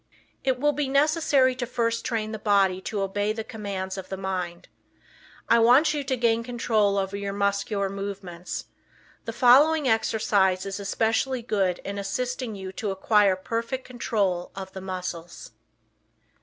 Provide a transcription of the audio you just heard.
It will be necessary to first train the body to obey the commands of the mind. I want you to gain control of your muscular movements. The following exercise is especially good in assisting you to acquire perfect control of the muscles.